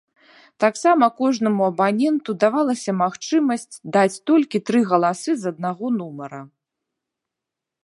Таксама кожнаму абаненту давалася магчымасць даць толькі тры галасы з аднаго нумара.